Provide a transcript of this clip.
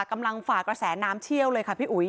ฝ่ากระแสน้ำเชี่ยวเลยค่ะพี่อุ๋ย